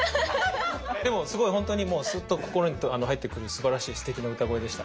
でもすごいほんとにもうスッと心に入ってくるすばらしいすてきな歌声でした。